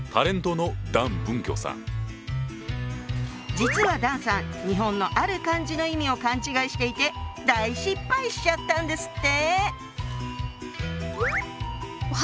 実は段さん日本のある漢字の意味を勘違いしていて大失敗しちゃったんですって。